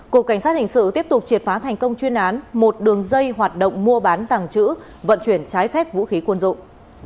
cục cảnh sát hình sự tiếp tục triệt phá thành công chuyên án một đường dây hoạt động mua bán tàng trữ vận chuyển trái phép vũ khí quân dụng